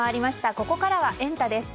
ここからはエンタ！です。